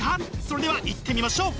それではいってみましょう！